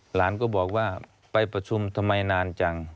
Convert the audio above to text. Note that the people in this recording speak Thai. หลานก็บอกว่าไปประชุมทำไมนานจัง